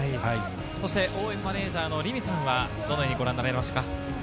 応援マネージャーの凛美さんはどのようにご覧になりましたか？